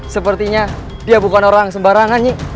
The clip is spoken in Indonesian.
sepertinya dia bukan orang sembarangan nih